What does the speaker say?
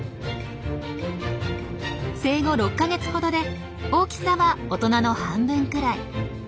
生後６か月ほどで大きさは大人の半分くらい。